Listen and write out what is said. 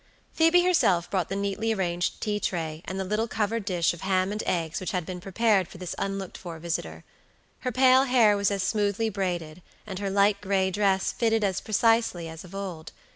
Phoebe herself brought the neatly arranged tea tray, and the little covered dish of ham and eggs which had been prepared for this unlooked for visitor. Her pale hair was as smoothly braided, and her light gray dress fitted as precisely as of old.